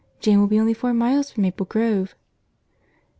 Jane will be only four miles from Maple Grove."